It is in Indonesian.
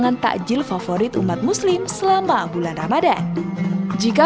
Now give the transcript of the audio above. jadi kurma ini adalah hal yang sangat terbaik untuk mencoba